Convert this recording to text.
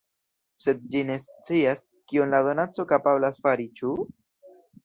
Sed ĝi ne scias, kion la donaco kapablas fari, ĉu?